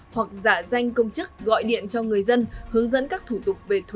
hoặc giả danh công chức gọi điện cho người dân hướng dẫn các thủ tục